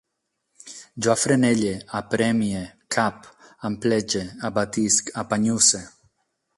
Jo afrenelle, apremie, cap, amplege, abastisc, apanyusse